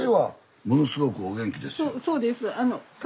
そうです。